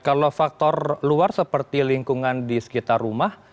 jadi perluar seperti lingkungan di sekitar rumah